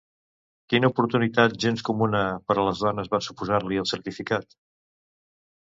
Quina oportunitat gens comuna per a les dones va suposar-li el certificat?